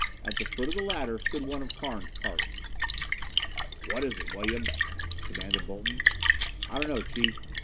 At the foot of the ladder stood one of Carnes' party. "What is it, Williams?" demanded Bolton. "I don't know, Chief.